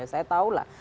saya tahu lah